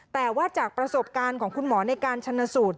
แต่ว่าจากประสบการณ์ของคุณหมอในการชนสูตร